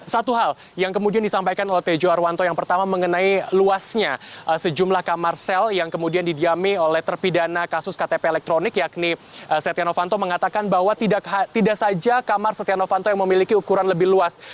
satu hal yang kemudian disampaikan oleh tejo harwanto yang pertama mengenai luasnya sejumlah kamar sel yang kemudian didiami oleh terpidana kasus ktp elektronik yakni setia novanto mengatakan bahwa tidak saja kamar setia novanto yang memiliki ukuran lebih luas